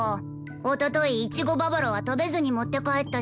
おとといいちごババロア食べずに持って帰ったし。